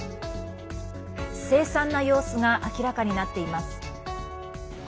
凄惨な様子が明らかになっています。